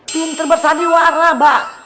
pinter bersandiwara mbak